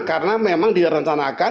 karena memang direncanakan